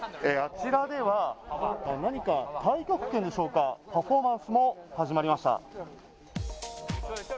あちらでは、何か太極拳でしょうか、パフォーマンスも始まりました。